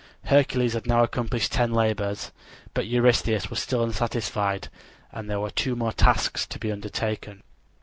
Hercules had now accomplished ten labors; but Eurystheus was still unsatisfied and there were two more tasks to be undertaken.